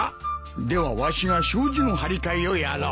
ではわしが障子の張り替えをやろう。